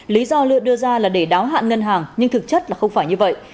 lý do lựa đưa ra là để đáo hạn ngân hàng nhưng thực chất là không phải như vậy